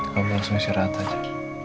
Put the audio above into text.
kamu langsung istirahat aja